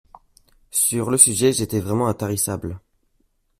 Sur le sujet, j’étais vraiment intarissable.